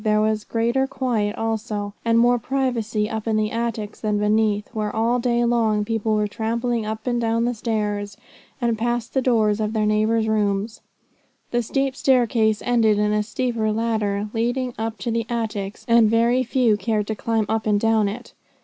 There was greater quiet also, and more privacy up in the attics than beneath, where all day long people were trampling up and down the stairs, and past the doors of their neighbours' rooms. The steep staircase ended in a steeper ladder leading up to the attics, and very few cared to climb up and down it.